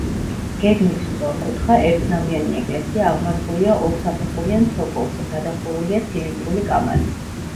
გეგმით სწორკუთხა, ერთნავიანი ეკლესია აღმართულია ორსაფეხურიან ცოკოლზე, გადახურულია ცილინდრული კამარით.